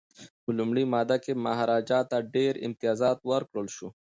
په لومړۍ ماده کي مهاراجا ته ډیر امتیازات ورکړل شول.